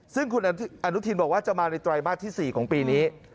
ซึ่งคุณอนุทินบอกว่าจะมาในไตรมาสที่๔ของปีนี้